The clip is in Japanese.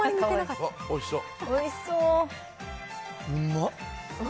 おいしそう。